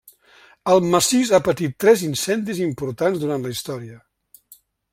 El massís ha patit tres incendis importants durant la història.